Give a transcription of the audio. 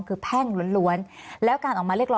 มีความรู้สึกว่าเสียใจ